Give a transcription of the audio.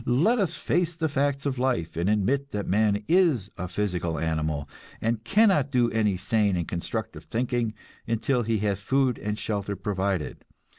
Let us face the facts of life, and admit that man is a physical animal, and cannot do any sane and constructive thinking until he has food and shelter provided.